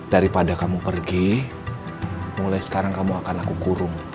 daripada kamu pergi mulai sekarang kamu akan aku kurung